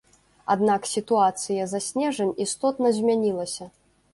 Аднак сітуацыя за снежань істотна змянілася.